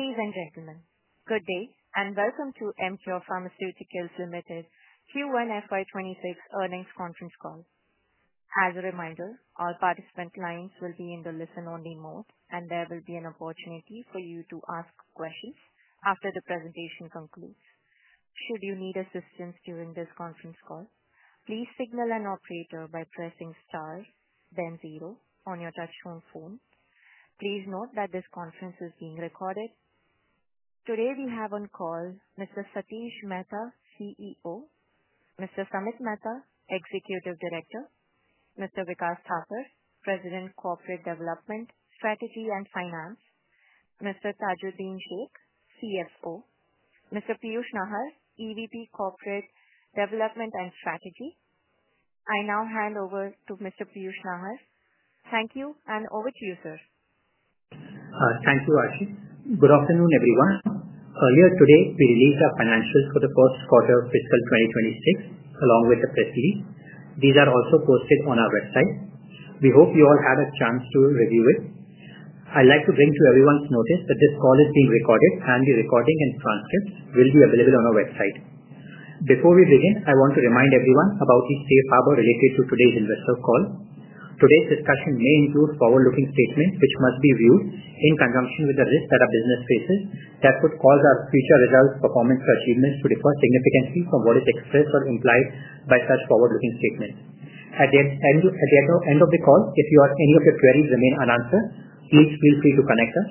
Ladies and gentlemen, good day, and welcome to Emcure Pharmaceuticals Ltd's Q1 FY2026 Earnings Conference Call. As a reminder, all participant lines will be in the listen-only mode, and there will be an opportunity for you to ask questions after the presentation concludes. Should you need assistance during this conference call, please signal an operator by pressing star then zero on your touch-tone phone. Please note that this conference is being recorded. Today we have on call Mr. Satish Mehta, CEO; Mr. Samit Mehta, Executive Director; Mr. Vikas Thapar, President, Corporate Development Strategy and Finance; Mr. Tajuddin Shaikh, CFO; Mr. Piyush Nahar, EVP, Corporate Development and Strategy. I now hand over to Mr. Piyush Nahar. Thank you, and over to you, sir. Thanks for watching. Good afternoon, everyone. Earlier today, we released our financials for the first quarter of fiscal 2026, along with the press release. These are also posted on our website. We hope you all had a chance to review it. I'd like to bring to everyone's notice that this call is being recorded, and the recording and transcript will be available on our website. Before we begin, I want to remind everyone about the safe harbor related to today's investor call. Today's discussion may include forward-looking statements, which must be viewed in conjunction with the risk that our business faces that could cause our future results, performance, or achievements to differ significantly from what is expressed or implied by such forward-looking statements. At the end of the call, if any of your queries remain unanswered, please feel free to connect us.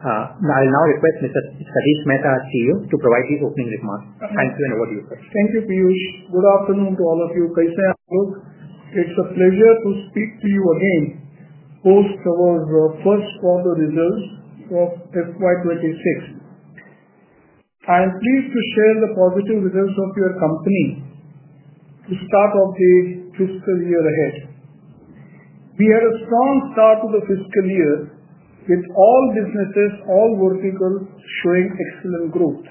I'll now request Mr. Satish Mehta, our CEO, to provide his opening remarks. Thank you and over to you. Thank you, Piyush. Good afternoon to all of you. It's a pleasure to speak to you again post our first quarter results of FY2026. I am pleased to share the positive results of your company to start off the fiscal year ahead. We had a strong start to the fiscal year with all businesses, all verticals, showing excellent growth.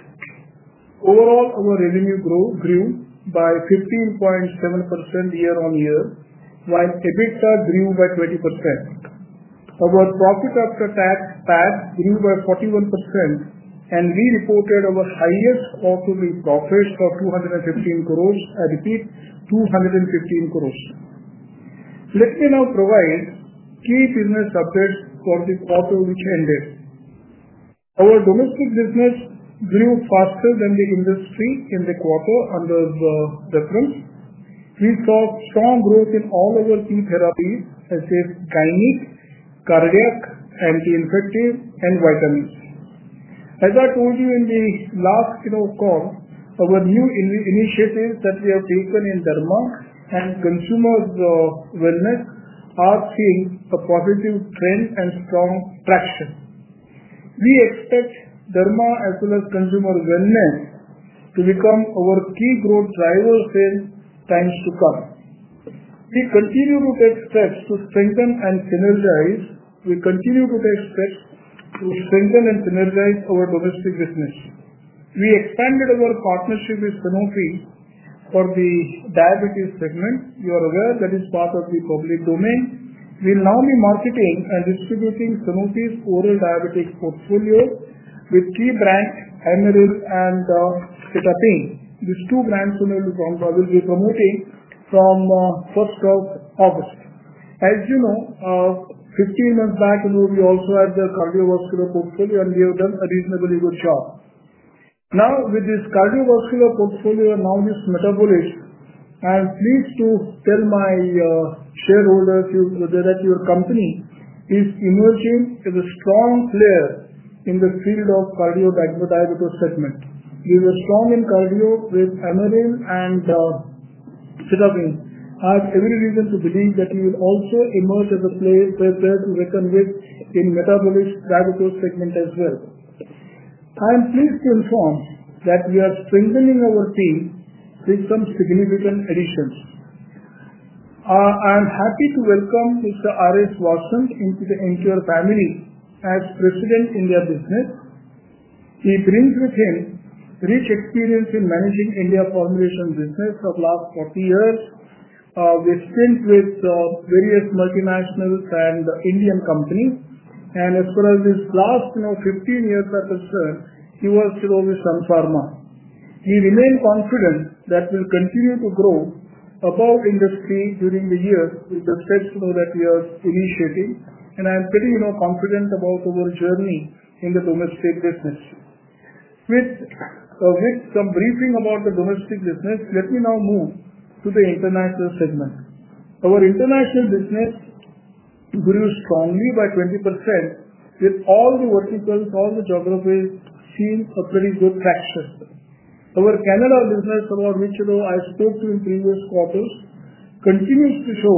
Overall, our revenue grew by 15.7% year-over-year, while EBITDA grew by 20%. Our profit after tax grew by 41%, and we reported our highest quarterly profits of 215 crore. I repeat, 215 crore. Let me now provide three business updates for this quarter, which ended. Our domestic business grew faster than the industry in the quarter under the trends. We saw strong growth in all ARV/non-ARV therapies, such as gynaecology, cardiovascular, anti-infectives, and vitamins and minerals. As I told you in the last keynote call, our new initiatives such as Vivekananda Dharma and Consumer Wellness are seeing a positive trend and strong traction. We expect Dharma as well as Consumer Wellness to become our key growth drivers in the times to come. We continue to take steps to strengthen and synergize our domestic business. We expanded our partnership with Sanofi for the diabetes segment. You are aware that it's part of the public domain. We'll now be marketing and distributing Sanofi's oral diabetes portfolio with three brands: Amaryl and Cetapin. These two brands we'll be promoting from Foot Health. As you know, 15 years back, we also had the cardiovascular portfolio, and we have done a reasonably good job. Now, with this cardiovascular portfolio, and now this metabolic, I am pleased to tell my shareholders that your company is emerging as a strong player in the field of cardio-diabetes segment. We were strong in cardio with Amaryl and Cetapin. I have every reason to believe that you will also emerge as a player to reckon with in the metabolic diabetes segment as well. I am pleased to inform that we are strengthening our team with some significant additions. I am happy to welcome Mr. Aresh Vasant into the Emcure family as President of India Business. He brings with him rich experience in managing the India formulation business for the last 40 years. We've synced with various multinationals and Indian companies. As far as his last 15 years are concerned, he was with Sun Pharma. I remain confident that we'll continue to grow above industry during the years with the steps that we are initiating. I am pretty confident about our journey in the domestic business. With some briefing about the domestic business, let me now move to the international segment. Our international business grew strongly by 20%, with all the verticals, all the geographies seeing pretty good traction. Our Canada business, about which I spoke in previous quarters, continues to show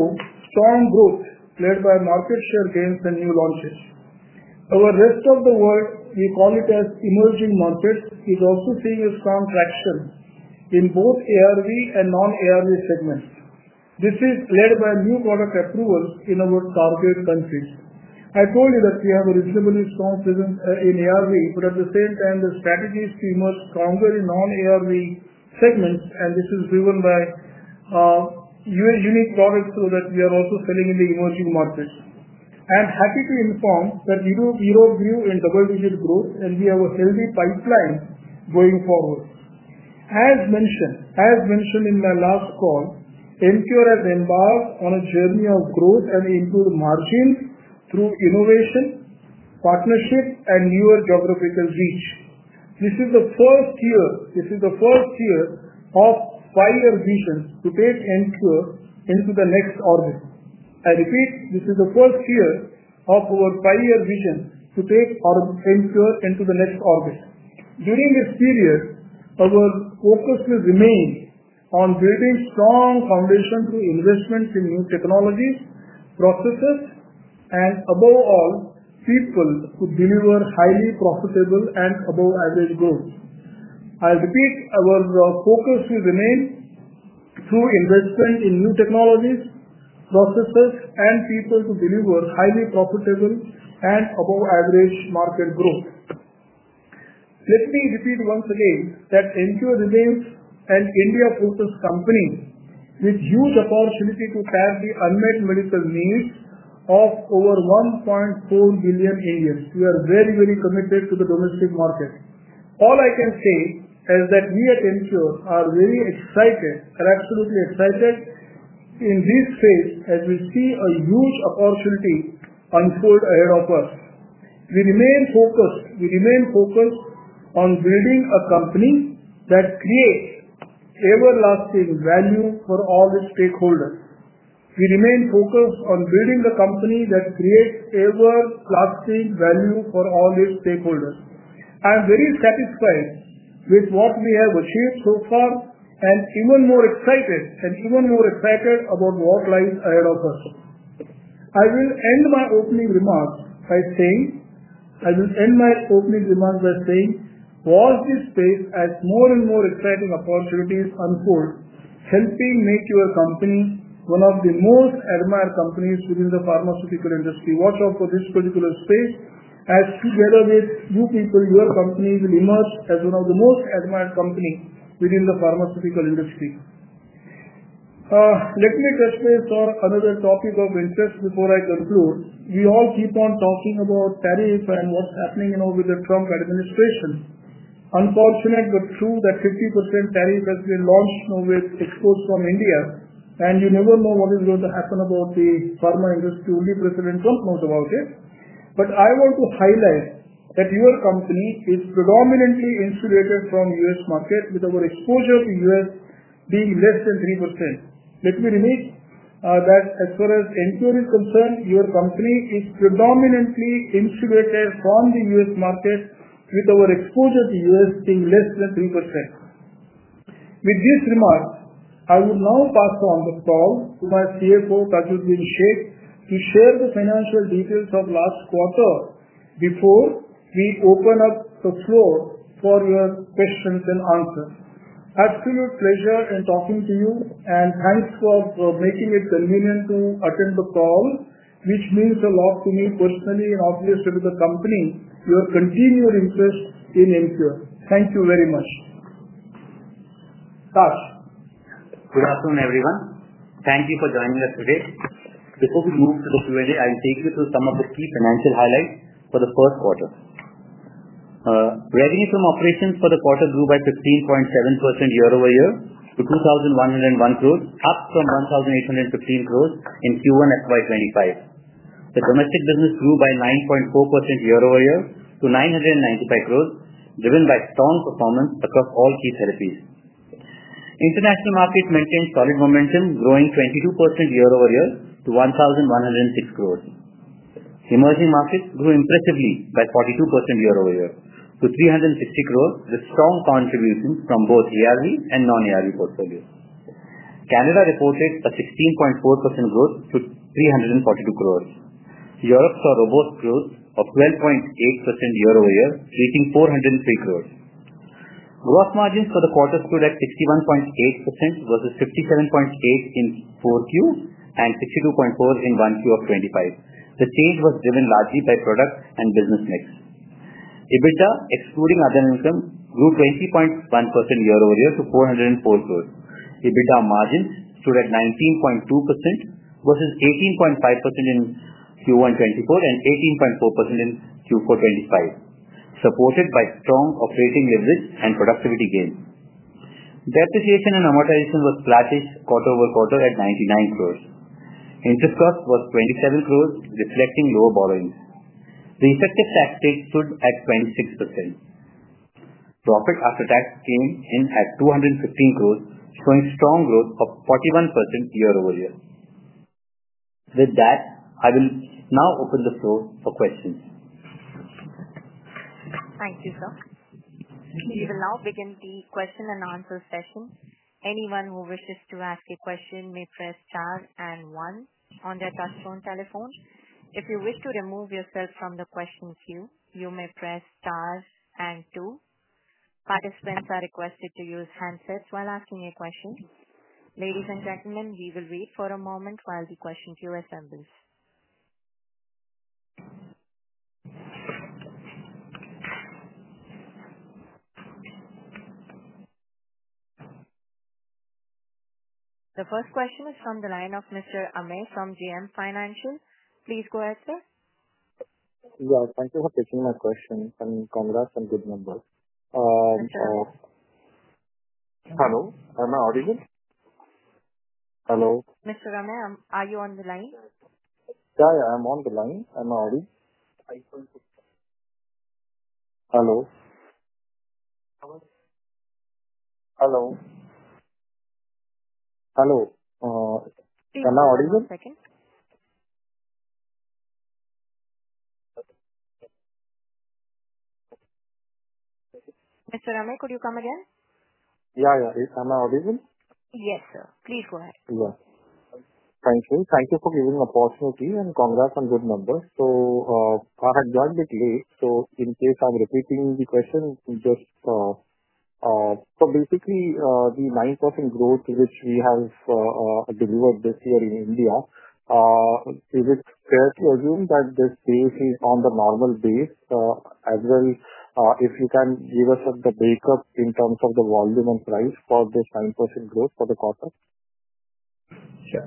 strong growth led by market share gains and new launches. Our rest of the world, we call it emerging markets, is also seeing strong traction in both ARV and non-ARV segments. This is led by new product approvals in our target countries. I told you that we have a reasonably strong presence in ARV, but at the same time, the strategy is to conquer the non-ARV segments, and this is driven by unique products so that we are also selling in the emerging markets. I am happy to inform that Europe grew in double-digit growth, and we have a healthy pipeline going forward. As mentioned in my last call, Emcure has embarked on a journey of growth and improved margins through innovation, partnership, and newer geographical reach. This is the first year of a five-year vision to take Emcure into the next orbit. I repeat, this is the first year of our five-year vision to take Emcure into the next orbit. During this period, our focus will remain on creating a strong foundation through investments in new technologies, processes, and above all, people who deliver highly profitable and above-average growth. I repeat, our focus will remain through investment in new technologies, processes, and people who deliver highly profitable and above-average market growth. Let me repeat once again that Emcure remains an India-focused company with a huge opportunity to tap the unmet medical needs of over 1.4 billion Indians. We are very, very committed to the domestic market. All I can say is that we at Emcure are very excited and absolutely excited in this space as we see a huge opportunity unfold ahead of us. We remain focused on building a company that creates everlasting value for all its stakeholders. I am very satisfied with what we have achieved so far, and even more excited about what lies ahead of us. I will end my opening remarks by saying, as this space has more and more exciting opportunities unfold, hence being made to your company one of the most admired companies within the pharmaceutical industry. Watch out for this particular space, as together with you people, your company will emerge as one of the most admired companies within the pharmaceutical industry. Let me just say another topic of interest before I conclude. We all keep on talking about tariffs and what's happening with the Trump administration. Unfortunately, it's true that 50% tariff has been launched with excuse from India, and you never know what is going to happen about the pharma industry. Only President Trump knows about it. I want to highlight that your company is predominantly insulated from the U.S. market with our exposure to the U.S. being less than 3%. Let me repeat that as far as Emcure is concerned, your company is predominantly insulated from the U.S. market with our exposure to the U.S. being less than 3%. With this remark, I will now pass on the floor to my CFO, Tajuddin Shaikh, to share the financial details of last quarter before we open up the floor for your questions and answers. Absolute pleasure in talking to you, and thanks for making it convenient to attend the call, which means a lot to me personally and obviously to the company, your continued interest in Emcure. Thank you very much. Good afternoon, everyone. Thank you for joining us today. Before we move to the Q&A, I'll take you through some of the key financial highlights for the first quarter. Revenue from operations for the quarter grew by 15.7% year-over-year to 2,101 crore, up from 1,815 crore in Q1 FY2024. The domestic business grew by 9.4% year-over-year to 995 crore, driven by strong performance across all key therapies. International markets maintained solid momentum, growing 22% year-over-year to 1,106 crore. Emerging markets grew impressively by 42% year-over-year to 360 crore, with strong contributions from both the ARV and non-ARV portfolio. Canada reported a 16.4% growth to 342 crore. Europe saw robust growth of 12.8% year-over-year, reaching 403 crore. Gross margins for the quarter grew at 61.8% versus 57.8% in Q4 and 62.4% in Q1 FY2024. The change was driven largely by product and business mix. EBITDA, excluding other income, grew 20.1% year-over-year to 404 crore. EBITDA margins stood at 19.2% versus 18.5% in Q1 FY2024 and 18.4% in Q4 FY2024, supported by strong operating revenues and productivity gains. Depreciation and amortization were classic quarter-over-quarter at 99 crore. Interest cost was 27 crore, reflecting lower borrowings. The effective tax rate stood at 26%. Profit after tax came in at 215 crore, showing strong growth of 41% year-over-year. With that, I will now open the floor for questions. Thank you, sir. We will now begin the question and answer session. Anyone who wishes to ask a question may press star and one on their touch-tone telephone. If you wish to remove yourself from the question queue, you may press star and two. Participants are requested to use handsets while asking a question. Ladies and gentlemen, we will wait for a moment while the question queue assembles. The first question is from the line of Mr. Amey from JM Financial. Please go ahead, sir. Yeah, thank you for taking my question. I mean, congrats on good numbers. Hello, Amma Audi? Hello. Mr. Amma, are you on the line? Yeah, yeah, I'm on the line. Hello. Hello. Hello. Excuse me, one second. Mr. Mehta, could you come again? Yeah, yeah. Is Namita Thapar here? Yes, sir. Please go ahead. Thank you. Thank you for giving the opportunity and congrats on good numbers. I had joined a bit late, so in case I'm repeating the question, just, the 9% growth to which we have delivered this year in India, is it fair to assume that this base is on the normal base as well? If you can give us a breakup in terms of the volume and price for this 9% growth for the quarter? Yeah,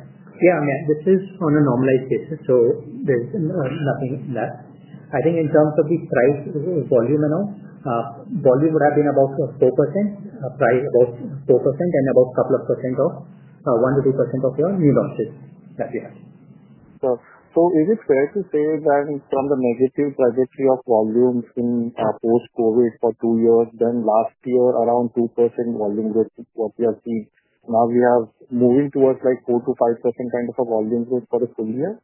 I mean, this is on a normalized basis, so there's nothing left. I think in terms of the price, volume and all, volume would have been about 4%, price about 4%, and about a couple of percent of 1%-2% of your new launches that we have. Yeah. Is it fair to say that from the negative trajectory of volumes in post-COVID for two years, then last year, around 2% volume growth, what we have seen, now we are moving towards like 4%-5% kind of a volume growth for the full year?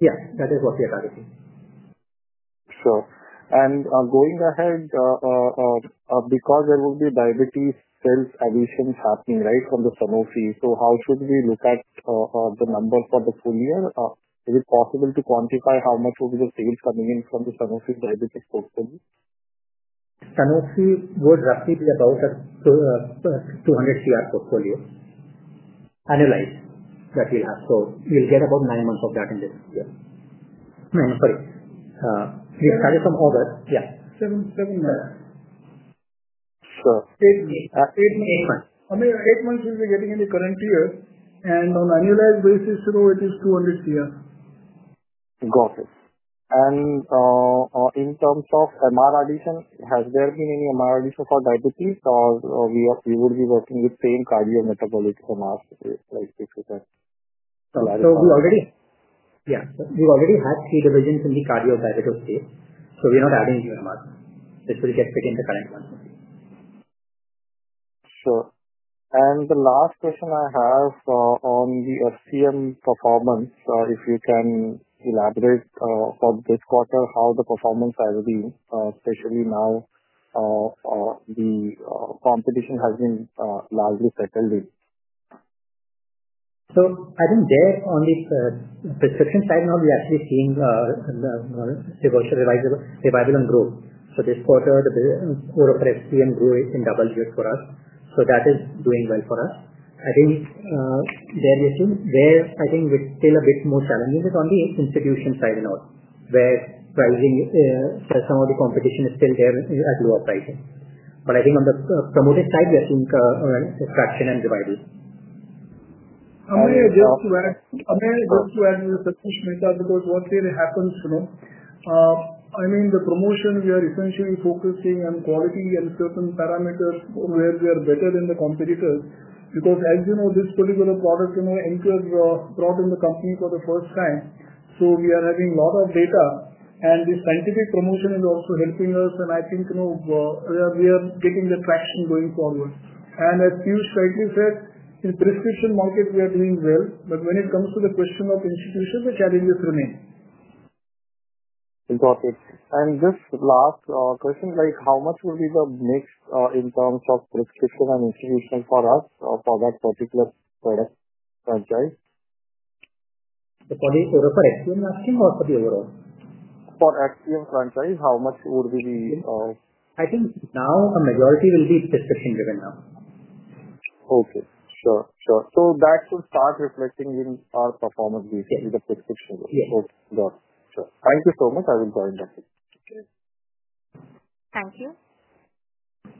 Yes, that is what we are targeting. Sure. Going ahead, because there will be diabetes sales additions happening from Sanofi, how should we look at the numbers for the full year? Is it possible to quantify how much will be the sales coming in from Sanofi's diabetes portfolio? Sanofi would roughly be about an INR 200 crore portfolio, annualized that we'll have. We'll get about nine months of that in this year. We'll start it from August. Seven, seven, yeah. Sure. Eight months. I mean, eight months we'll be getting in the current year, and on an annualized basis, you know, it is 200 crore. Got it. In terms of MR additions, has there been any MR addition for diabetes, or would we be working with the same cardio-diabetes MR? We have already had three revisions in the cardiovascular space, so we're not adding new MRs. It will be kept in the current one. Sure. The last question I have, on the CM performance, if you can elaborate, for this quarter, how the performance has been, especially now, the competition has been largely settled in. I think there on the prescription side, now we are actually seeing the revisable growth. This quarter, the ORA-PRES CM grew in double years for us. That is doing well for us. I think where we're still a bit more challenged is on the institution side, where some of the competition is still there at lower pricing. I think on the promoted side, we are seeing traction and revival. I'm going to just ask, I'm going to go through as a researcher because what really happens, you know, the promotion, we are essentially focusing on quality and certain parameters where we are better than the competitor because, as you know, this particular product in our brought in the company for the first time. We are having a lot of data, and the scientific promotion is also helping us. I think we are getting the traction going forward. As Piyush rightly said, in the prescription market, we are doing well, but when it comes to the question of institution, the challenges remain. Important. Just last question, how much would be the mix in terms of prescription and institution for us for that particular product franchise? For the ORA for XM or for the overall? For XM franchise, how much would we be? I think now a majority will be prescription-driven now. Okay. Got it. Got it. That will start reflecting in our performance data in the prescription. Yeah. Got it. Thank you so much. I will go ahead. Thank you.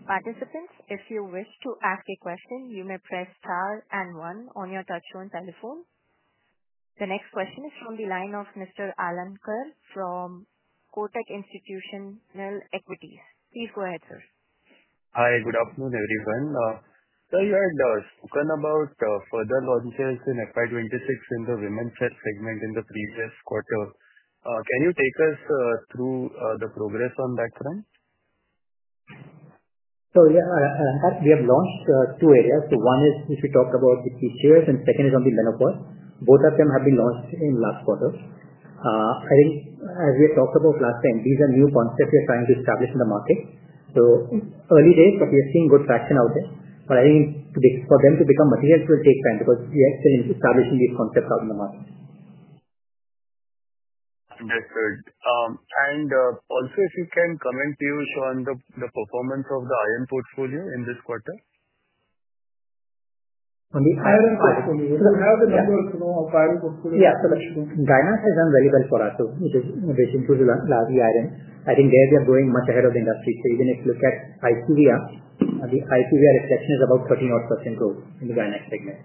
Participants, if you wish to ask a question, you may press star and one on your touch-tone telephone. The next question is from the line of Mr. Alankar from Kotak Institutional Equities. Please go ahead, sir. Hi, good afternoon, everyone. It does turn about further launches in FY2026 in the women's health segment in the previous quarter. Can you take us through the progress on that front? Yeah, we have launched two areas. One is, as we talked about, the TCOS, and the second is on the Lenapor. Both of them have been launched in the last quarter. As we talked about last time, these are new concepts we are trying to establish in the market. Early days, but we are seeing good traction out there. I think for them to become material, it will take time because we are still establishing these concepts out in the market. Understood. If you can, coming to you on the performance of the iron portfolio in this quarter? I mean, iron for me. It has a network of iron portfolio. Yeah, so gynaecology has done very well for us. It is reaching to the larger iron. I think they are growing much ahead of the industry. Even if you look at IPVR, the IPVR reflection is about 13% growth in the gynaecology segment.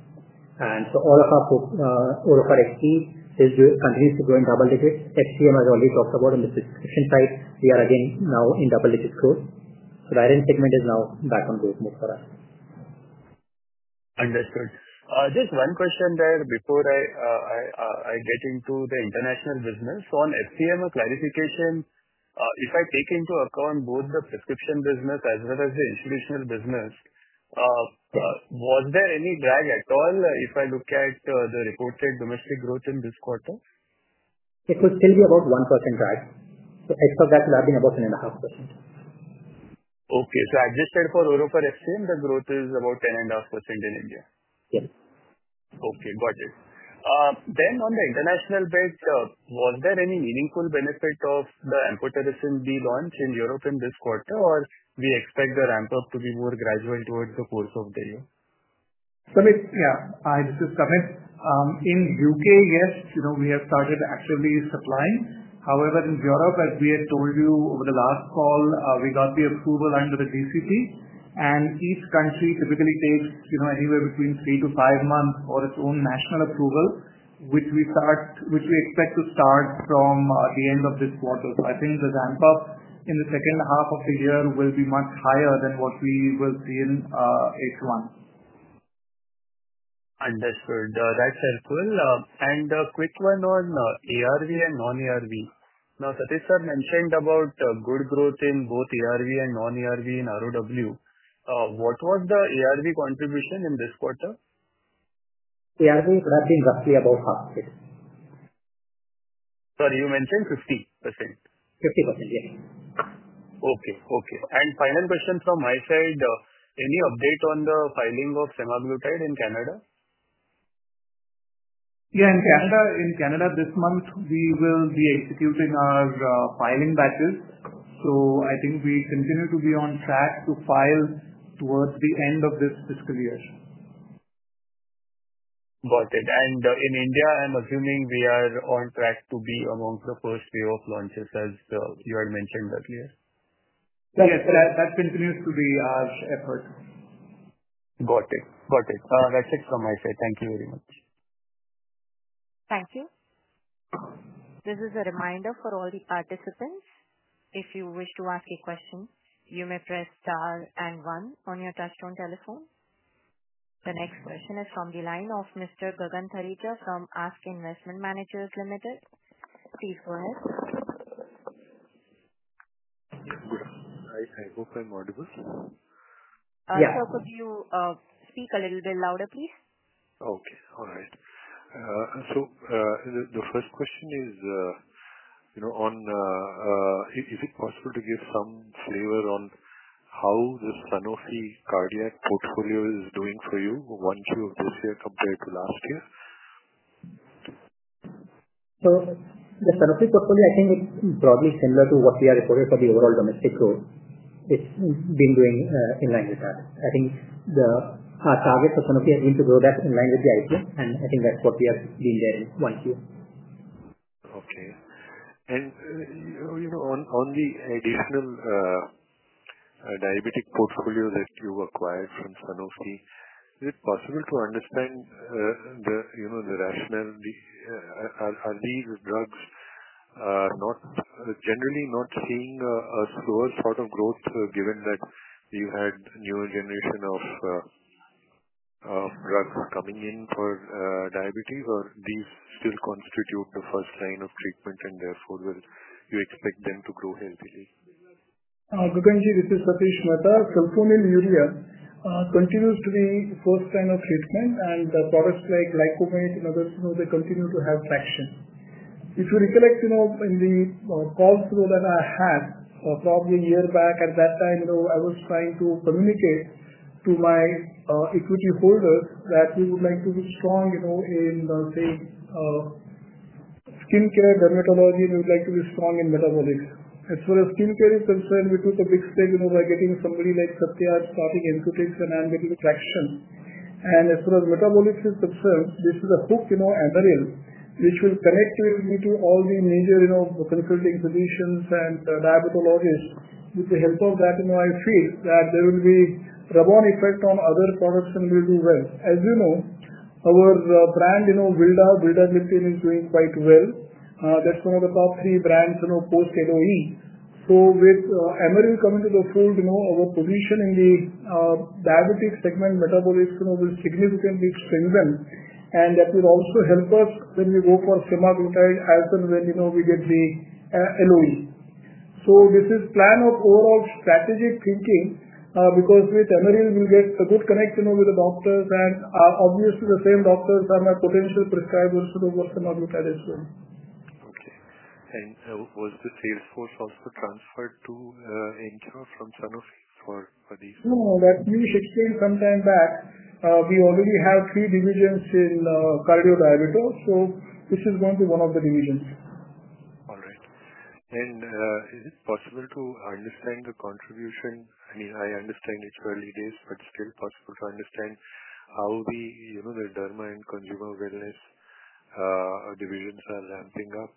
ORA-PRES T continues to grow in double digits. XCM, as we talked about, on the prescription side, we are again now in double digits growth. The iron segment is now back on growth mode for us. Understood. Just one question there before I get into the international business. On SCM, a clarification: if I take into account both the prescription business as well as the institutional business, was there any drag at all if I look at the reported domestic growth in this quarter? It will still be about 1% drag. As per that, we are being about 7.5%. Okay, I just said for oral prescription, the growth is about 7.5% in India. Yes. Okay. Got it. Then on the international base, was there any meaningful benefit of the amphotericin B launch in Europe in this quarter, or do you expect the ramp-up to be more gradual towards the course of the year? Sorry. Yeah. Hi, this is Samit. In the U.K., yes, you know, we have started actively supplying. However, in Europe, as we had told you over the last call, we got the approval under the GCP. Each country typically takes, you know, anywhere between three to five months for its own national approval, which we expect to start from the end of this quarter. I think the ramp-up in the second half of the year will be much higher than what we will see in H1. Understood. That's helpful. A quick one on ARV and non-ARV. Satish, you mentioned about good growth in both ARV and non-ARV in ROW. What was the ARV contribution in this quarter? ARV would have been roughly about half, yes. Sorry, you mentioned 50%. 50%, yes. Okay. Okay. Final question from my side, any update on the filing of semaglutide in Canada? In Canada this month, we will be executing our filing batches. I think we continue to be on track to file towards the end of this fiscal year. Got it. In India, I'm assuming we are on track to be among the first year of launches as you had mentioned earlier. Yes, that continues to be our effort. Got it. Got it. That's it from my side. Thank you very much. Thank you. This is a reminder for all the participants. If you wish to ask a question, you may press star and one on your touch-tone telephone. The next question is from the line of Mr. Gagan Thareja from ASK Investment Managers Limited. Please go ahead. Yes, I hope I'm audible. I hope you speak a little bit louder, please. Okay. All right. The first question is, you know, is it possible to give some flavor on how the Sanofi cardiac portfolio is doing for you year-over-year compared to last year? Sure. The Sanofi portfolio, I think, is probably similar to what we are reporting for the overall domestic growth. It's been doing in line with that. I think the targets of Sanofi are aimed to grow that in line with the idea, and I think that's what we have been there in one year. Okay. On the additional diabetic portfolio that you acquire from Sanofi, is it possible to understand the rationale? Are these drugs generally not seeing a slower sort of growth given that you had a new generation of drugs coming in for diabetes, or do they still constitute the first line of treatment, and therefore, will you expect them to grow healthily? I'm going to say this is Satish Mehta. Sulfonylurea continues to be the first line of treatment, and the products like Glycovate and others, you know, they continue to have traction. If you recollect, you know, in the calls that I had probably a year back, at that time, you know, I was trying to communicate to my equity holders that we would like to be strong, you know, in, say, skincare dermatology, and we would like to be strong in metabolic. As far as skincare is concerned, we took a big step, you know, by getting somebody like Namita starting consumer wellness and dermatology initiatives. As far as metabolics is concerned, this is a hook, you know, Amaryl, which will connect with me to all the major, you know, consulting physicians and diabetologists. With the help of that, you know, I feel that there will be a rebound effect on other products and we'll do well. As you know, our brand, you know, Vildagliptin is doing quite well. That's one of the top three brands, you know, post-LOE. With Amaryl coming to the fold, you know, our position in the diabetes segment metabolism will significantly strengthen, and that will also help us when we go for semaglutide as and when, you know, we get the LOE. This is a plan of overall strategic thinking because with Amaryl, we'll get a good connection with the doctors, and obviously, the same doctors are my potential prescribers for the semaglutide as well. Okay. Was the sales force also transferred to Emcure from Sanofi for these? No, that we shifted some time back. We already have three divisions in cardio-diabetes, so this is going to be one of the divisions. Is it possible to understand the contribution? I understand it's early days, but still possible to understand how the derma and consumer wellness divisions are ramping up.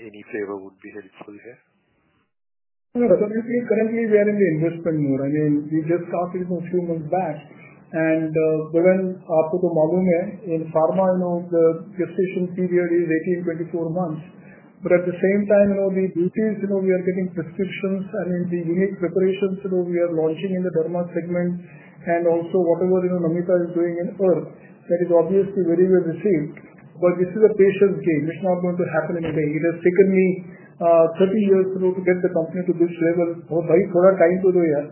Any flavor would be helpful here. Yeah, so I mean, see, currently, we are in the investment mode. I mean, we just started a few months back, and given our total volume in pharma, you know, the prescription period is 18 to 24 months. At the same time, you know, the beauty is, you know, we are getting prescriptions, I mean, the unique preparations, you know, we are launching in the derma segment, and also whatever, you know, Namita is doing in herb, that is obviously very well received. This is a patient's game. It's not going to happen in a day. It has taken me 30 years to get the company to this level. Right? What I'm trying to do here,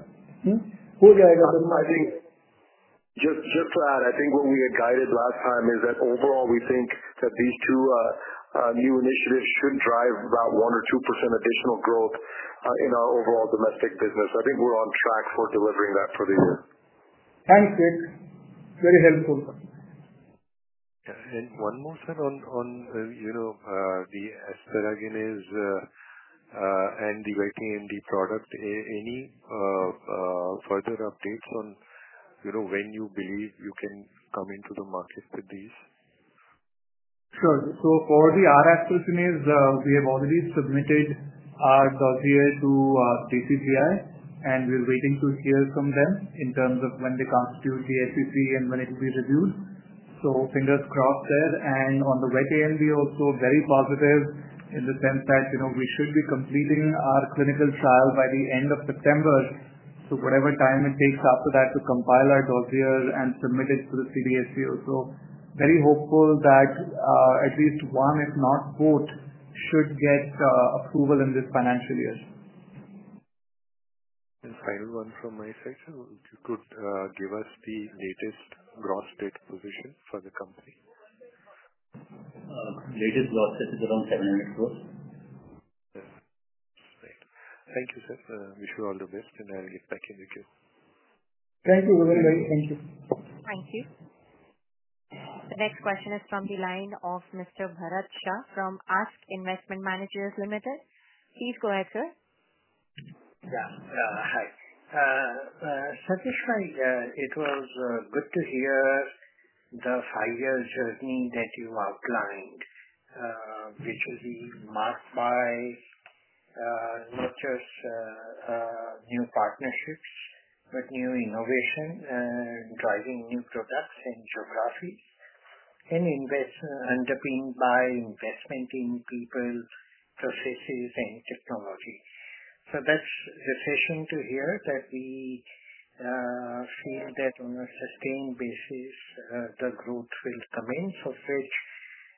who the iron is? Just to add, I think what we had guided last time is that overall, we think that these two new initiatives should drive about 1% or 2% additional growth in our overall domestic business. I think we're on track for delivering that for the year. Thanks, Piyush. Very helpful. One more thing on the asparagines and the vitamin D product, any further updates on when you believe you can come into the market with these? Sure. For the RF personas, we have already submitted our clausula to TCGI, and we're waiting to hear from them in terms of when they constitute the SEC and when it will be reviewed. Fingers crossed there. On the veteran, we are also very positive in the sense that we should be completing our clinical trial by the end of September. Whatever time it takes after that to compile our clausula and submit it to the CDSC. Very hopeful that at least one, if not both, should get approval in this financial year. Final one from my side, sir, if you could give us the latest gross net provision for the company. Okay. Latest gross debt is around INR 700 crore. Great. Thank you both. Wish you all the best, and I'll get back in the queue. Thank you. Have a good day. Thank you. Thank you. Next question is from the line of Mr. Bharat Shah from ASK Investment Managers Limited. Please go ahead, sir. Yeah. Hi. Satish, it was good to hear the five-year journey that you are planning, which is marked by nurturing new partnerships with new innovation and driving new products and geographies, and end up being by investment in people, processes, and technology. That's refreshing to hear that we feel that on a sustained basis, the growth will come in.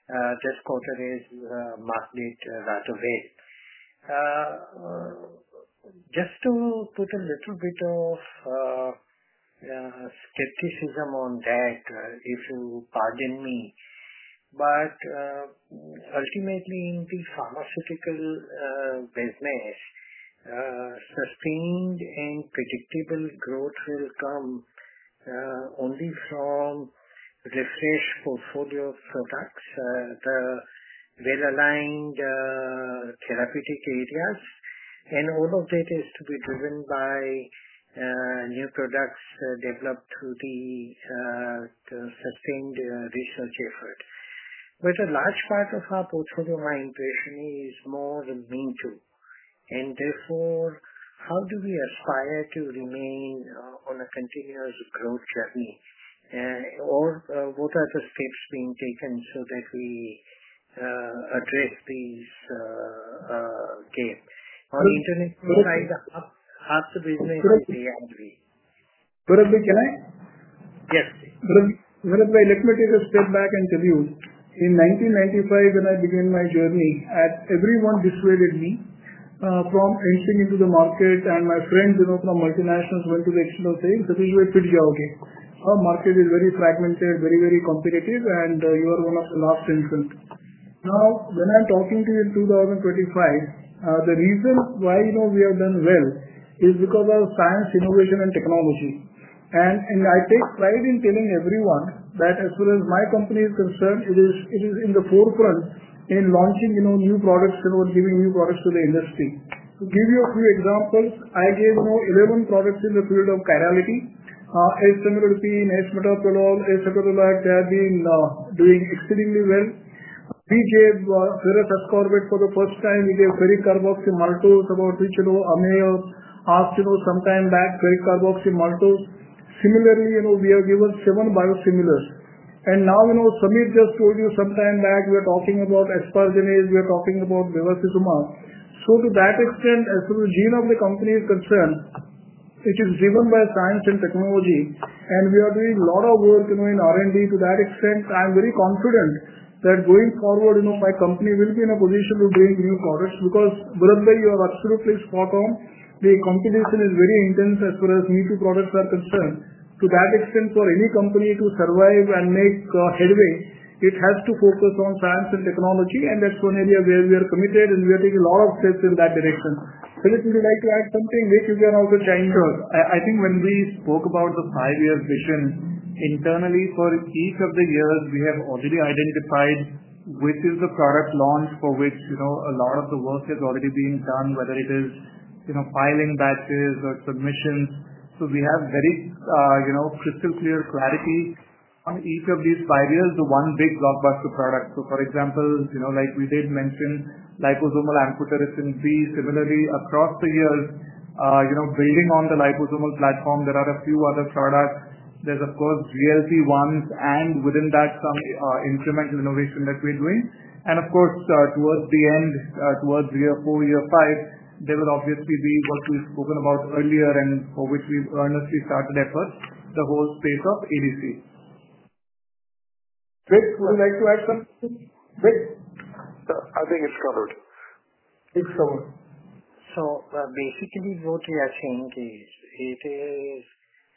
That quarter is a must-make, by the way. Just to put a little bit of skepticism on that, if you pardon me, but ultimately, in the pharmaceutical business, sustained and predictable growth will come only from the fresh portfolio of products, the well-aligned therapeutic areas, and all of that is to be driven by new products developed through the sustained research effort. With a large part of our portfolio, my impression is more the main two. Therefore, how do we aspire to remain on a continuous growth journey? And/or what are the steps being taken so that we address these gaps? On the international side, how to remain in the R&D? Can I? Yes, please. Bharat, let me take a step back and tell you. In 1995, when I began my journey, everyone dissuaded me from entering into the market, and my friends, you know, from multinationals went to the external thing to be with Pitya. Our market is very fragmented, very, very competitive, and you are one of the locked entrants. Now, when I'm talking to you in 2025, the reason why, you know, we have done well is because of science, innovation, and technology. I take pride in telling everyone that as far as my company is concerned, it is in the forefront in launching, you know, new products and giving new products to the industry. To give you a few examples, I gave, you know, 11 products in the field of chirality. As Synergy P, Nesmetoprolol, Acetylalac, they have been doing exceedingly well. We gave Ferrous Ascorbate for the first time. We gave Ferric Carboxymaltose about which Amma asked, you know, some time back, Ferric Carboxymaltose. Similarly, you know, we have given seven biosimilars. Now, you know, Samit just told you some time back, we are talking about asparaginase. We are talking about bevacizumab. To that extent, as far as the gene of the company is concerned, it is driven by science and technology, and we are doing a lot of work, you know, in R&D. To that extent, I'm very confident that going forward, you know, my company will be in a position to bring new products because, Bharat, you are absolutely spot on. The competition is very intense as far as me-too products are concerned. To that extent, for any company to survive and make headway, it has to focus on science and technology, and that's one area where we are committed, and we are taking a lot of steps in that direction. I would like to add something, Piyush. If you can also say, I think when we spoke about the five-year vision internally for each of the years, we have already identified which is the product launch for which a lot of the work has already been done, whether it is filing batches or submissions. We have very crystal clear clarity on each of these five years. The one big block was the product. For example, like we did mention, liposomal amphotericin B. Similarly, across the years, building on the liposomal platform, there are a few other products. There are, of course, GLG ones, and within that, some instrumental innovation that we're doing. Of course, towards the end, towards year four, year five, there will obviously be what we've spoken about earlier and over which we've earnestly started efforts, the whole space of ADC. I think it's covered. It's covered. What we are saying is it is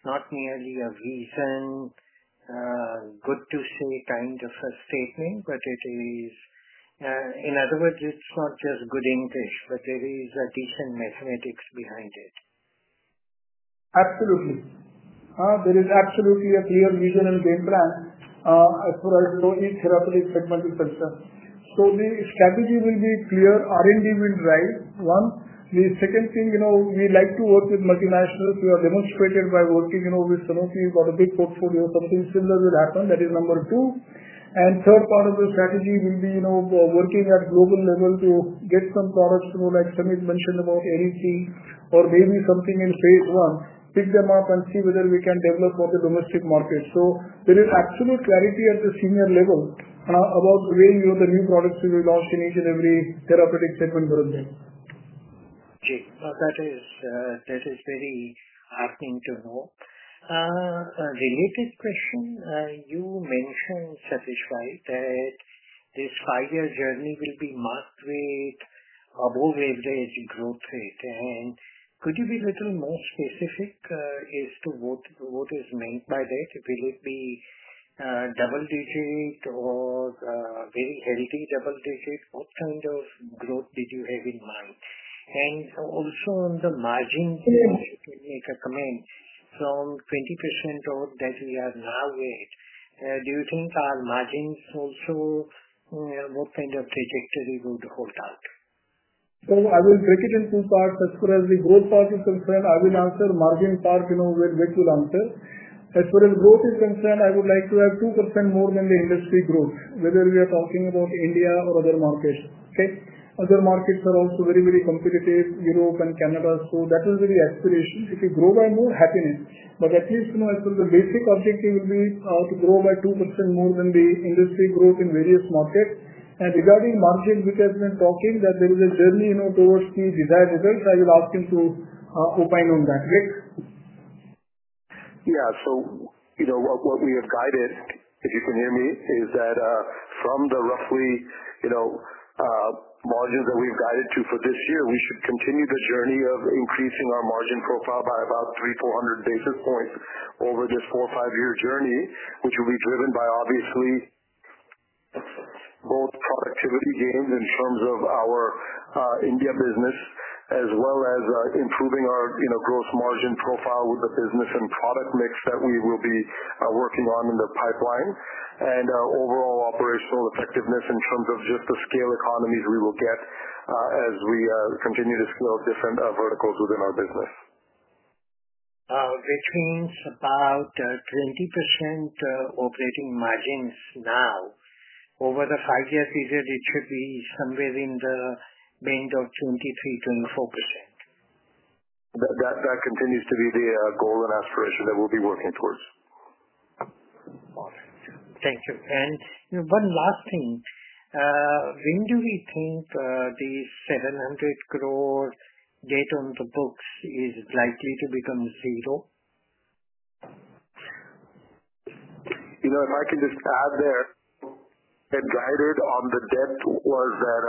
not merely a vision. Good to see kind of a statement, but it is, in other words, it's not just good input, but there is a decent mathematics behind it. Absolutely. There is absolutely a clear vision and game plan for us, so the therapeutic segment in patients. The strategy will be clear. R&D will drive, one. The second thing, you know, we like to work with multinationals. We are demonstrated by working, you know, with Sanofi about a big portfolio. Something similar will happen. That is number two. The third part of the strategy will be, you know, working at a global level to get some products, you know, like Samit mentioned about ADC or maybe something in phase I, pick them up and see whether we can develop for the domestic market. There is absolute clarity at the senior level about where the new products will be launched in each and every therapeutic segment. That is very asking to know. The latest question, you mentioned, Satish, that this five-year journey will be marked with above-average growth rates. Could you be a little more specific as to what is meant by that? Will it be double digits or very healthy double digits? What kind of growth did you have in mind? Also, on the margins, if you may recommend from 20% or that we are now at, do you think our margins also, what kind of trajectory would hold out? I will take it in two parts. As far as the growth part is concerned, I will answer margin part, you know, which will answer. As far as growth is concerned, I would like to have 2% more than the industry growth, whether we are talking about India or other markets. Other markets are also very, very competitive, Europe and Canada. That will be the aspiration. If you grow by more, happiness. At least, you know, as for the basic objective, it will be to grow by 2% more than the industry growth in various markets. Regarding margin, we have been talking that there is a journey, you know, towards the desired results. I will ask him to opine on that. Yeah. What we have guided, if you can hear me, is that from the roughly, you know, margins that we've guided to for this year, we should continue the journey of increasing our margin profile by about 3,400 basis points over this four or five-year journey, which will be driven by, obviously, both productivity gains in terms of our India business, as well as improving our, you know, gross margin profile with the business and product mix that we will be working on in the pipeline, and overall operational effectiveness in terms of just the scale economies we will get as we continue to scale up different verticals within our business. We changed about 20% operating margins now. Over the five-year period, it should be somewhere in the range of 23%-24%. That continues to be the goal and aspiration that we'll be working towards. Thank you. One last thing, when do we think the 700 crore debt on the books is likely to become zero? If I can just add there, the guidance on the debt was that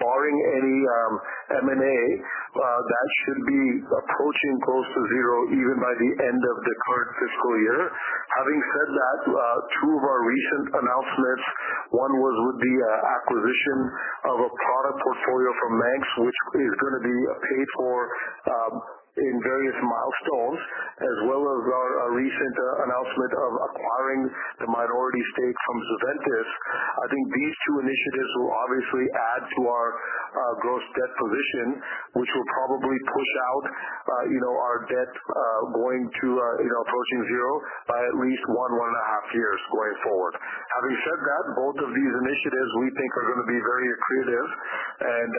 barring any M&A, that should be approaching close to zero even by the end of the current fiscal year. Having said that, two of our recent announcements, one was with the acquisition of a product portfolio from Manch, which is going to be paid for in various milestones, as well as our recent announcement of acquiring the minority stake from Zuventus. I think these two initiatives will obviously add to our gross debt position, which will probably push out our debt going to approaching zero by at least one, one and a half years going forward. Having said that, both of these initiatives we think are going to be very expensive, and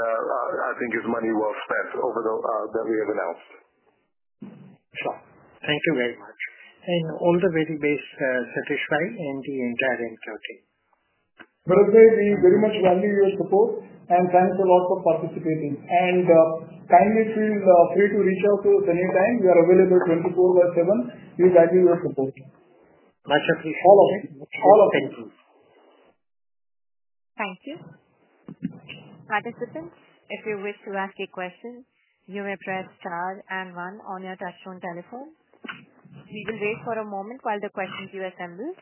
I think it's money well spent over the that we have announced. Sure. Thank you very much. All the very best, Satish, and thankyou. Bharat, we very much value your support, and thanks a lot for participating. Kindly feel free to reach out to us anytime. We are available 24 by 7. We value your support. Thank you. Thank you. Participants, if you wish to ask a question, you may press star and one on your touch-tone telephone. We will wait for a moment while the questions are assembled.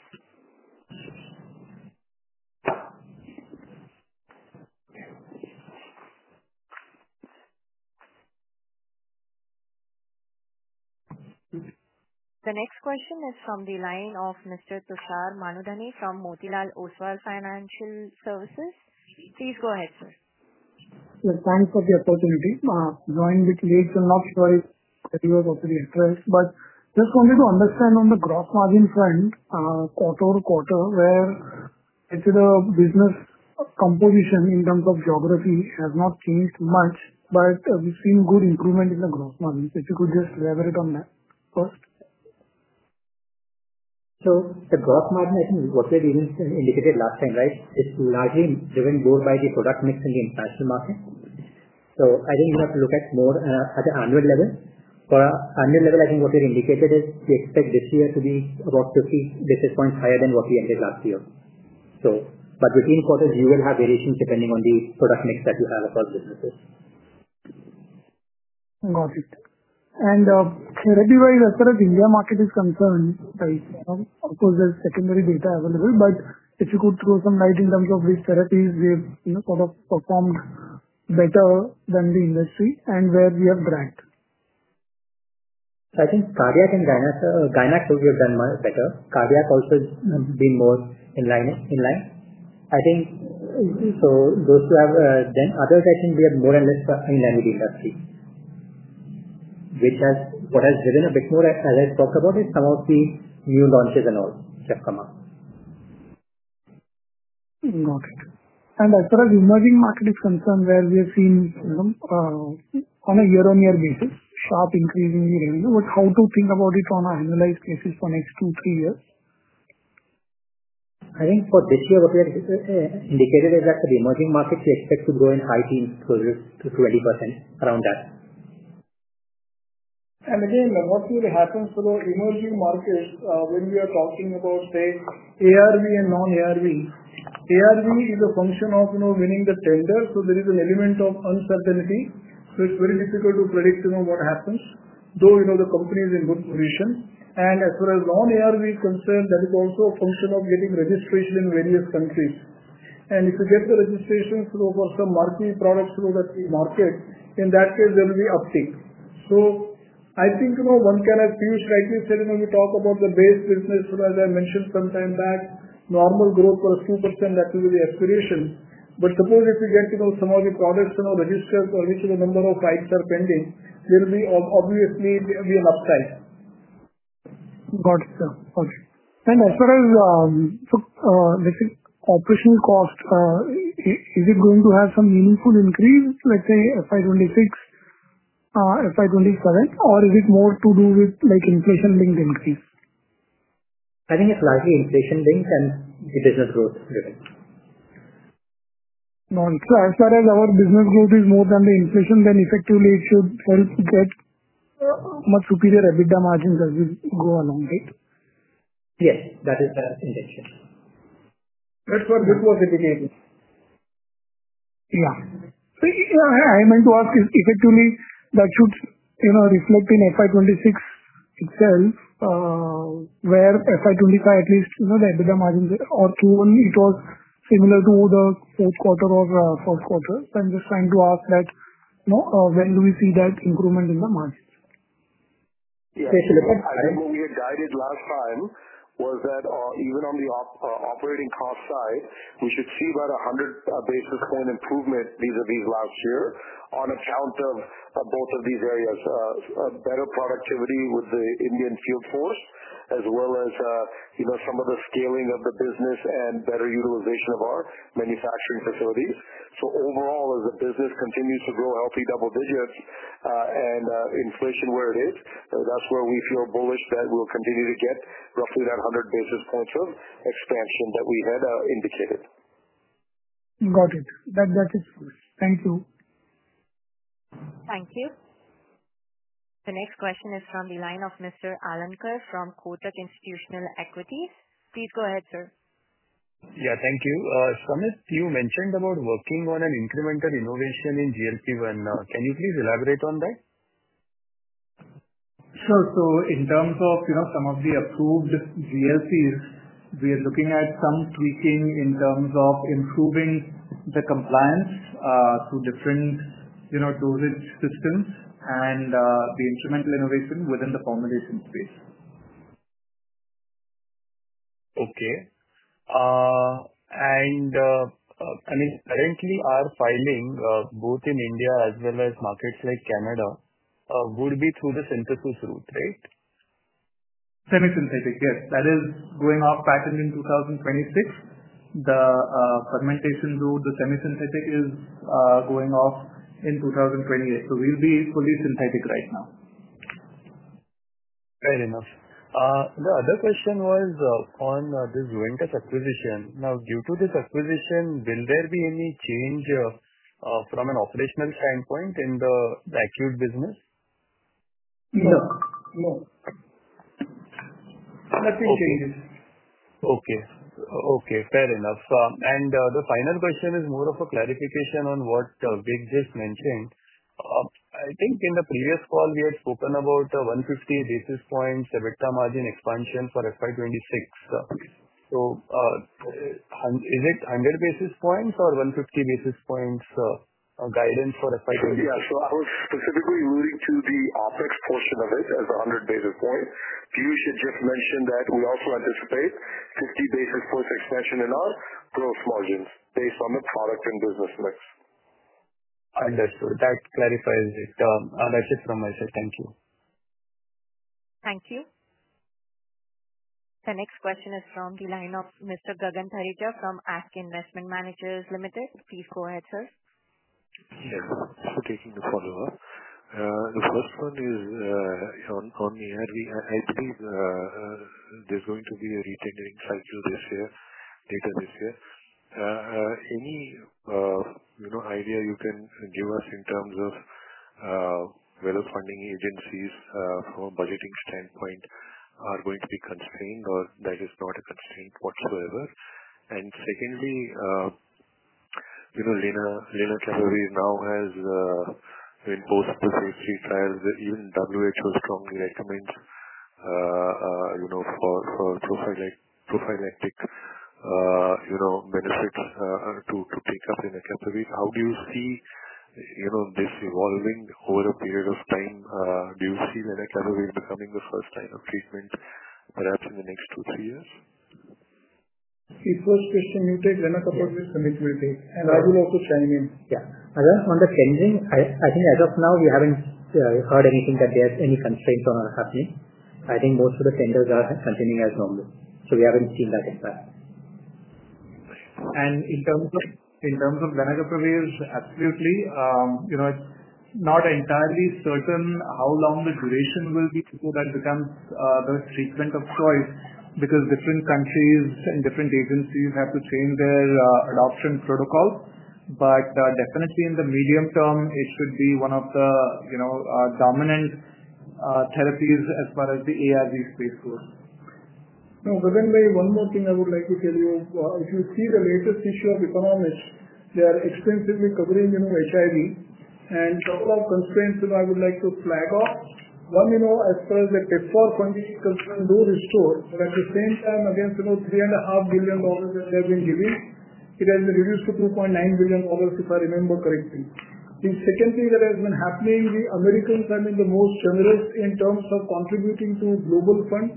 The next question is from the line of Mr. Tushar Manudhane from Motilal Oswal Financial Services. Please go ahead, sir. Thank you for the opportunity. Joined the colleagues and not sure if I think of a place first, but just wanted to understand on the gross margin front, quarter to quarter, where the business composition in terms of geography has not changed much, but we've seen good improvement in the gross margins. If you could just elaborate on that, of course. The gross margin, I think, is what we indicated last time, right? It's largely driven both by the product mix and the inflation market. I think we must look at more at the annual level. For annual level, I think what we indicated is we expect this year to be about 50 basis points higher than what we ended last year. Within quarters, you will have variations depending on the product mix that you have across businesses. Got it. Therapy-wise, as far as the India market is concerned, of course, there's secondary data available, but if you could throw some light in terms of which therapies we have sort of performed better than the industry and where we have dragged. I think cardiac and gynaecology, we have done much better. Cardiac also has been more in line. I think, you see, so good to have them. Others, I think we have more or less in anything, which has what has driven a bit more, as I talked about it, some of the new launches and all that have come up. Got it. As far as emerging markets are concerned, we have seen, you know, on a year-over-year basis, start increasingly. How to think about it on an annualized basis for the next two, three years? I think for this year, what we have indicated is that the emerging markets expect to grow in high teens to 20% around that. What really happens to the emerging markets when we are talking about, say, ARV and non-ARV? ARV is a function of, you know, winning the tender, so there is an element of uncertainty. It's very difficult to predict, you know, what happens, though, you know, the company is in good position. As far as non-ARV is concerned, that is also a function of getting registration in various countries. If you get the registration flow for some marquee products through the market, in that case, there will be uptake. I think, you know, one can assume it's likely said when you talk about the base business, as I mentioned some time back, normal growth for a few percent, that will be the aspiration. Suppose if you get, you know, some of the products are not registered for whichever number of flights are pending, there will be obviously an upside. Got it. Got it. As far as, so this is operation cost, is it going to have some meaningful increase, like the FY2026 product, or is it more to do with like inflation-linked increase? I think it's largely inflation-linked and the business growth driven. Got it. As far as our business growth is more than the inflation, then effectively, it should help to get much superior EBITDA margins as you go along with it. Yes, that is the intention. That's what this was indicating. Yeah. I meant to ask if effectively that should, you know, reflect in FY2026 itself, where FY2025, at least, you know, the EBITDA margins are 2:1. It was similar to the fourth quarter or the first quarter. I'm just trying to ask that, you know, when do we see that improvement in the market? Yeah, I think what we had guided last time was that even on the operating cost side, we should see about 100 basis point improvement vis-à-vis last year on account of both of these areas: better productivity with the Indian field force, as well as some of the scaling of the business and better utilization of our manufacturing facilities. Overall, as the business continues to grow healthy double digits and inflation where it is, that's where we feel bullish that we'll continue to get. Got it. Thank you. Thank you. The next question is from the line of Mr. Alankar from Kotak Institutional Equities. Please go ahead, sir. Yeah, thank you. Samit, you mentioned about working on an incremental innovation in GLP1. Can you please elaborate on that? In terms of some of the approved GLPs, we are looking at some tweaking in terms of improving the compliance to different dosage systems and the incremental innovation within the formulation space. Okay. I mean, currently, our filing both in India as well as markets like Canada would be through the synthetic route, right? Semisynthetic, yes. That is going off packaging in 2026. The fermentation route, the semisynthetic is going off in 2028. We'll be fully synthetic right now. Fair enough. The other question was on this Zuventus acquisition. Now, due to this acquisition, will there be any change from an operational standpoint in the acute business? No. No. Nothing changes. Okay. Fair enough. The final question is more of a clarification on what we've just mentioned. I think in the previous call, we had spoken about the 150 basis points EBITDA margin expansion for FY2026. Is it 100 basis points or 150 basis points of guidance for FY2026? Yeah. I was specifically moving to the OpEx portion of it as a 100 basis point. Please just mention that we also anticipate 50 basis points expansion in our gross margins based on the product and business mix. Understood. That clarifies this. That's it from my side. Thank you. Thank you. The next question is from the line of Mr. Gagan Thareja from ASK Investment Managers Limited. Please go ahead, sir. Yeah. I'm taking the call over. The first one is on ARV. I believe there's going to be a retaining factor this year, later this year. Any idea you can give us in terms of whether funding agencies from a budgeting standpoint are going to be constrained or that is not a constraint whatsoever? Secondly, you know, lenacapavir now has imposed the first few trials. Even WHO strongly recommends, you know, for prophylactic benefits to take up in a captivity. How do you see, you know, this evolving over a period of time? Do you see the next level becoming the first line of treatment, perhaps in the next two years? It's what Mr. Mehta is talking about, the next meeting. I don't know who's signing in. Yeah. On the sending, I think as of now, we haven't heard anything that there's any constraints on our happening. I think most of the senders are continuing as normal. We haven't seen that as well. In terms of Lenacapavirs, absolutely, it's not entirely certain how long the duration will be before that becomes the treatment of choice because different countries and different agencies have to change their adoption protocols. Definitely, in the medium term, it should be one of the dominant therapies as far as the ARV space goes. By the way, one more thing I would like to tell you. If you see the latest issue of The Economist, they are extensively covering HIV. A couple of constraints that I would like to flag off: one, as far as the test for 2020 because those are stored, but at the same time, against $3.5 billion that they have been giving, it has been reduced to $2.9 billion if I remember correctly. Secondly, that has been happening in the American government, the most generous in terms of contributing to a global fund.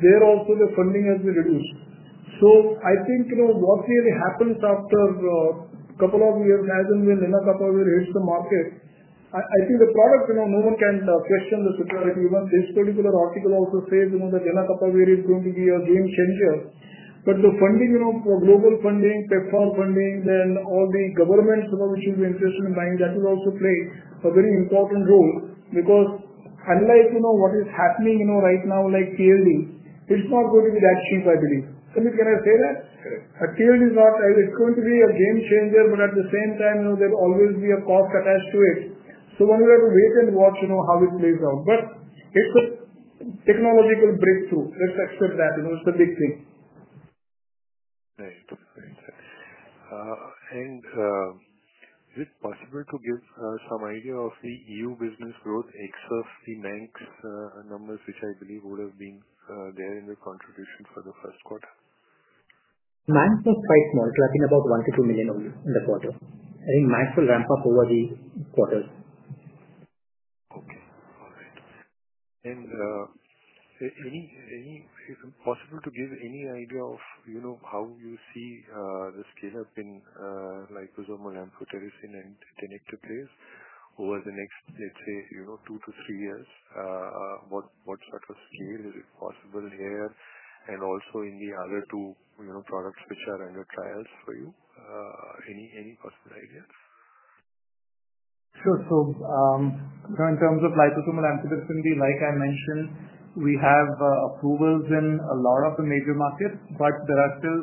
There also, the funding has been reduced. I think what really happens after a couple of years as in the Lenacapavir hits the market, the product, no one can question the future. If you want to stage, the article also says that Lenacapavir is going to be a game changer. The funding, global funding, test for funding, and all the governments, which is the investment line, that will also play a very important role because unless what is happening right now, like TLD, it's not going to be that cheap, I believe. Can I say that? Sure. TLD is not, it's going to be a game changer, but at the same time, you know, there will always be a cost attached to it. We have to wait and watch, you know, how it plays out. It's a technological breakthrough. Let's accept that. You know, it's a big thing. Right. Okay. Is it possible to give some idea of the EU business growth excluding semaglutide numbers, which I believe would have been there in the contribution for the first quarter? Mine is quite small. I think about $1 million-$2 million a week in the quarter. I think mine will ramp up over the quarters. Is it possible to give any idea of, you know, how you see the state has been like liposomal amphotericin B and Tenetra trace over the next, let's say, you know, two to three years? What sort of scale is it possible there? Also, in the other two, you know, products which are under trials for you, any possible ideas? Sure. In terms of liposomal amphotericin B, like I mentioned, we have approvals in a lot of the major markets, but there are still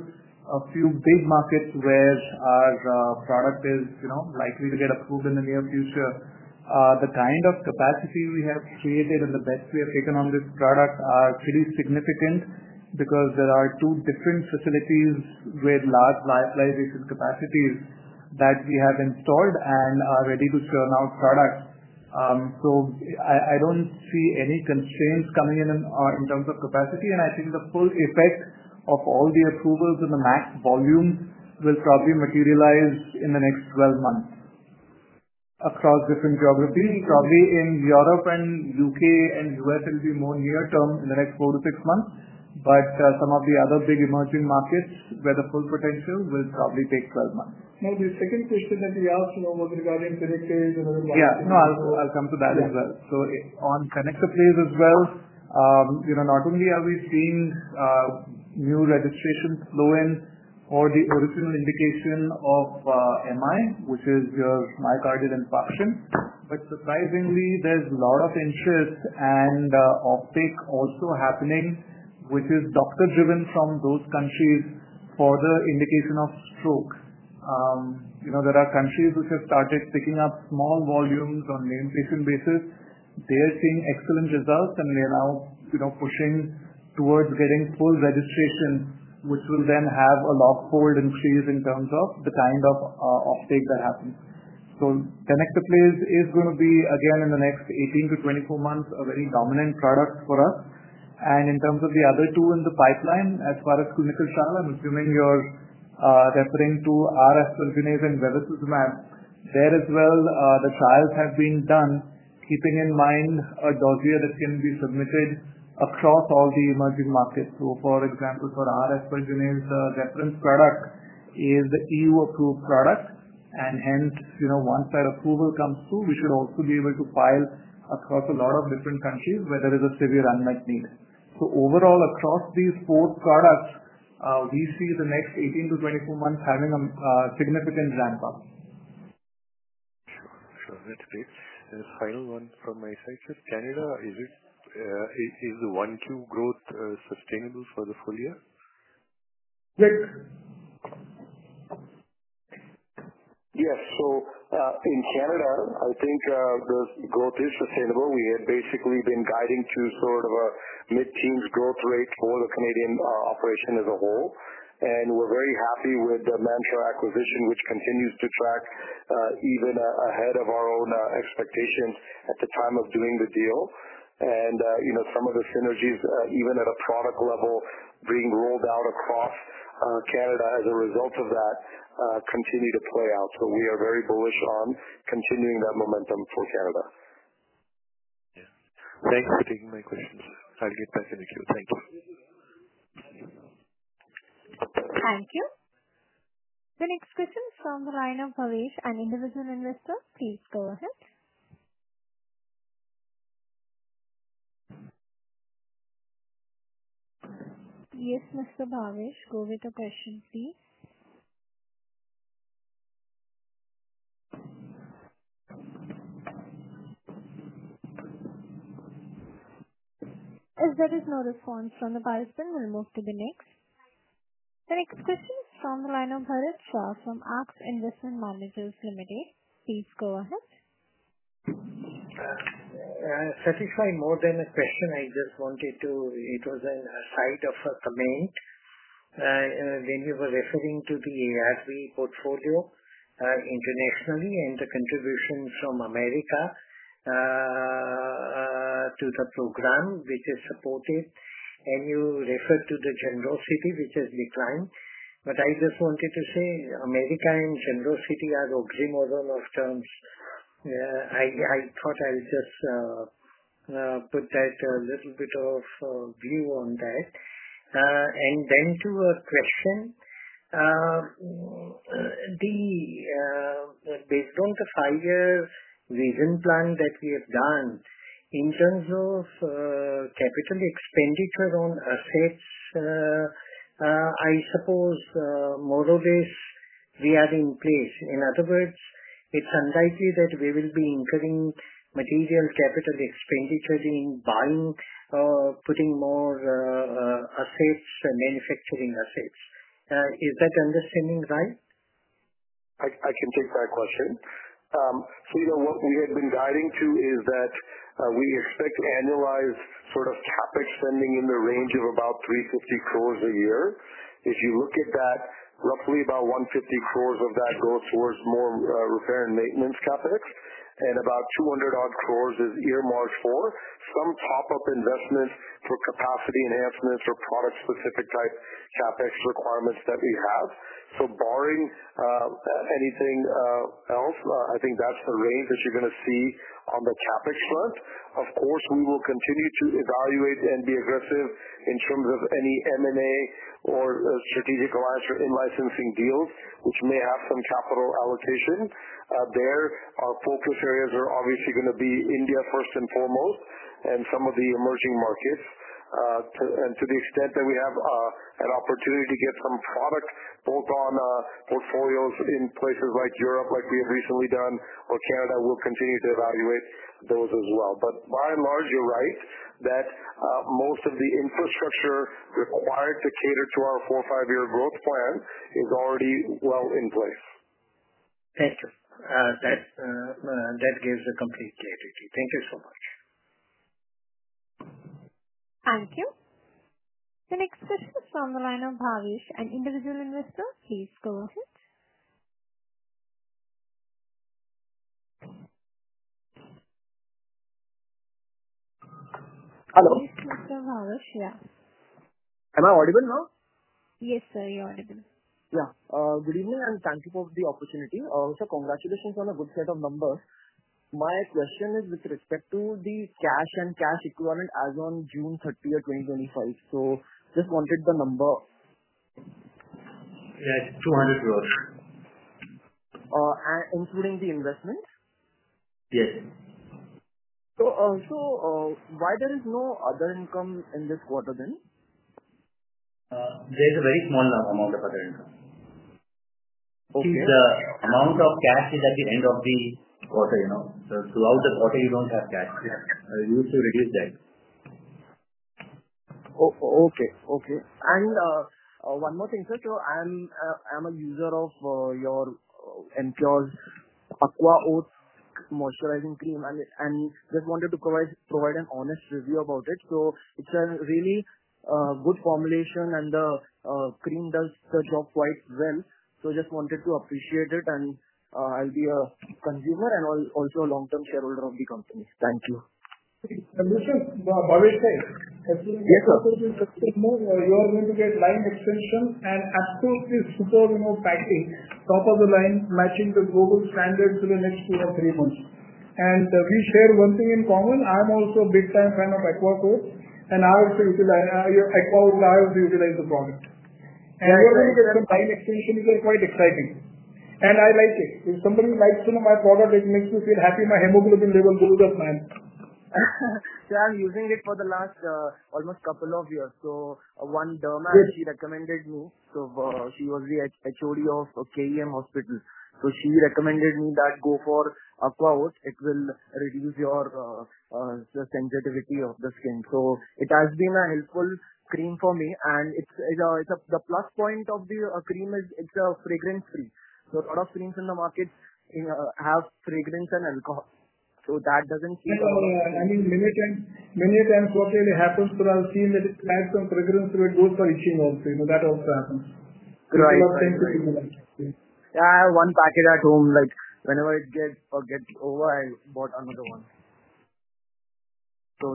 a few big markets where our product is likely to get approved in the near future. The kind of capacity we have created and the bets we have taken on this product are pretty significant because there are two different facilities with large lyophilization capacities that we have installed and are ready to churn out products. I don't see any constraints coming in in terms of capacity, and I think the full effect of all the approvals and the max volume will probably materialize in the next 12 months across different geographies. Probably in Europe, U.K., and U.S., it will be more near-term in the next four to six months. Some of the other big emerging markets where the full potential will probably take 12 months. Now, the second question that we asked was regarding Fenuxase. Yeah. No, I'll come to that as well. On Fenuxase as well, not only are we seeing new registration flow in for the original indication of MI, which is myocardial infarction, but surprisingly, there's a lot of interest and uptake also happening, which is doctor-driven from those countries for the indication of strokes. There are countries which have started picking up small volumes on an increasing basis. They are seeing excellent results, and they're now pushing towards getting full registration, which will then have a lot of hold and freeze in terms of the kind of uptake that happens. Fenuxase is going to be, again, in the next 18 to 24 months, a very dominant product for us. In terms of the other two in the pipeline, as far as clinical trial, I'm assuming you're referring to RF Surgenase and Vivacysomab. There as well, the trials have been done, keeping in mind a dose here that can be submitted across all the emerging markets. For example, for RF Surgenase, reference product is the EU-approved product. Hence, once that approval comes through, we should also be able to file across a lot of different countries where there is a severe unmet need. Overall, across these four products, we see the next 18 to 24 months having a significant ramp-up. Perfect. The final one from my side, sir, Canada, is the one-two growth sustainable for the full year? Yes. Yes. In Canada, I think the growth is sustainable. We had basically been guiding to sort of a mid-teens growth rate for the Canadian operation as a whole. We're very happy with the Manta acquisition, which continues to track even ahead of our own expectations at the time of doing the deal. Some of the synergies, even at a product level, being rolled out across Canada as a result of that, continue to play out. We are very bullish on continuing that momentum for Canada. Thank you for taking my questions. I'll get those initiatives. Thank you. Thank you. The next question is from the line of Vavesh, an individual investor. Please go ahead. Yes, Mr. Vavesh, go with a portion B. If there is no response from the participant, we'll move to the next. The next question is from the line of Bharat Shah from AsX Investment Managers Limited. Please go ahead. Satish, more than a question, I just wanted to, it was a side comment. When you were referring to the ARV portfolio internationally and the contributions from America to the program, which is supported, and you referred to the generosity, which has declined. I just wanted to say, America and generosity are a great model of terms. I thought I would just put that little bit of view on that. To a question, based on the five-year vision plan that we have done, in terms of capital expenditures on assets, I suppose more or less they are in place. In other words, it's unlikely that we will be incurring material capital expenditure in buying or putting more assets and manufacturing assets. Is that understanding right? I can take that question. What we have been guiding to is that we expect annualized sort of CapEx spending in the range of about 350 crore a year. If you look at that, roughly about 150 crore of that goes towards more repair and maintenance CapEx, and about 200 crore is earmarked for some top-up investments for capacity enhancement for product-specific type CapEx requirements that we have. Barring anything else, I think that's the range that you're going to see on the CapEx front. Of course, we will continue to evaluate and be aggressive in terms of any M&A or strategic alliance or in-licensing deals, which may have some capital allocation. There our focus areas are obviously going to be India first and foremost and some of the emerging markets. To the extent that we have an opportunity to get some product bolt-on portfolios in places like Europe, like we have recently done, or Canada, we'll continue to evaluate those as well. By and large, you're right that most of the infrastructure required to cater to our four or five-year growth plan is already well in place. Thank you. That gives a complete clarity. Thank you so much. Thank you. The next question is from the line of Vavesh, an individual investor. Please go ahead. Okay. It's still Sir Vavesh. Yeah. Am I audible now? Yes, sir. You're audible. Good evening and thank you for the opportunity. Sir, congratulations on a good set of numbers. My question is with respect to the cash and cash equivalent as on June 30, 2025. Just wanted the number. Yes, INR 200 crore. Including the investments? Yes. Why is there no other income in this quarter then? There's a very small amount of other income. Okay. The amount of cash is at the end of the quarter. Throughout the quarter, you don't have cash. We need to reduce that. Okay. Okay. One more thing, sir. I'm a user of your Emcure's Aqua Oat moisturizing cream, and I just wanted to provide an honest review about it. It's a really good formulation, and the cream does the job quite well. I just wanted to appreciate it. I'll be a consumer and also a long-term shareholder of the company. Thank you. Mr. Vavesh said as soon as Infosys is six months away, we are going to get line extension and appropriate support and all package, top-of-the-line matching to global standards for the next two or three months. We share one thing in common. I'm also a big-time fan of Aqua Code, and I also utilize Aqua Code. I also utilize the product. I also look at that line extension. It's quite exciting. I like it. If somebody likes my product, it makes me feel happy. My hemoglobin level goes up nice. She's been using it for the last almost a couple of years. One dermatologist recommended me, she was the HOD of KEM Hospital. She recommended me that go for Aqua Oats. It will reduce your sensitivity of the skin. It has been a helpful cream for me. The plus point of the cream is it's fragrance-free. A lot of creams in the market have fragrance and alcohol. That doesn't seem to be any limit. Many times, fortunately, it happens, but I've seen that it adds some fragrance to it. It goes for issues also. That also happens. Right. One package at home. Whenever it gets over, I bought another one.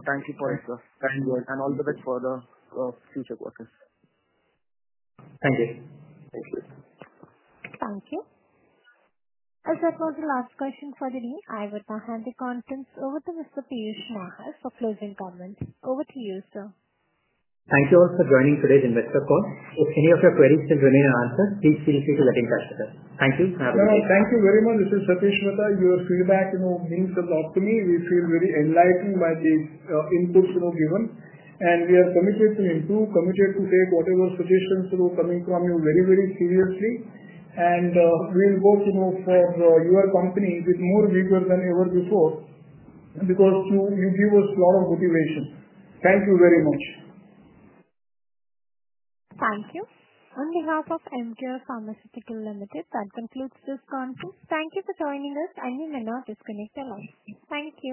Thank you for it, sir, and all the best for the future quarters. Thank you. Thank you. As I close, the last question for the day, I would hand the conference over to Mr. Piyush Nahar for closing comments. Over to you, sir. Thank you all for joining today's investor call. If any of your queries should remain unanswered, please feel free to get in touch with us. Thank you. All right. Thank you very much, Mr. Satish Mehta. Your feedback means a lot to me. We feel very enlightened by the inputs you have given, and we are committed to improve, committed to take whatever suggestions that are coming from you very, very seriously. We'll vote for your company with more vigor than ever before because you give us a lot of motivation. Thank you very much. Thank you. On behalf of Emcure Pharmaceuticals Ltd, that concludes this conference. Thank you for joining us, and we may now disconnect the line. Thank you.